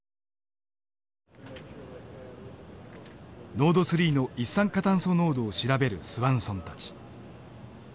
ノード３の一酸化炭素濃度を調べるスワンソンたち。